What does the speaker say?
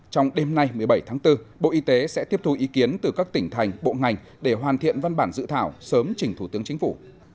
trong đêm nay một mươi bảy tháng bốn bộ y tế sẽ tiếp thu ý kiến từ các tỉnh thành bộ ngành để hoàn thiện văn bản dự thảo sớm chỉnh thủ tướng chính phủ